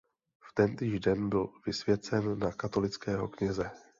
V tentýž den byl vysvěcen na katolického kněze.